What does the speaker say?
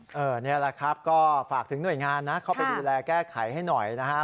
นี่แหละครับก็ฝากถึงหน่วยงานนะเข้าไปดูแลแก้ไขให้หน่อยนะฮะ